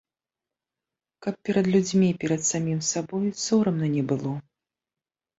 Каб перад людзьмі і перад самім сабой сорамна не было.